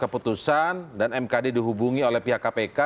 keputusan dan mkd dihubungi oleh pihak kpk